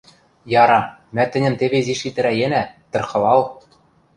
Яра, мӓ тӹньӹм теве изиш итӹрӓенӓ, тырхалал!..